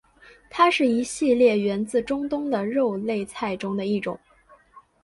它是一系列源自中东的肉类菜中的一种。